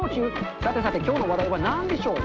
さてさて、きょうの話題はなんでしょう。